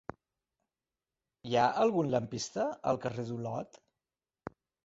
Hi ha algun lampista al carrer d'Olot?